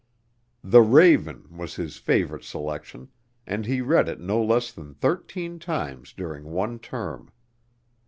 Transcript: "The Raven" was his favorite selection, and he read it no less than thirteen times during one term.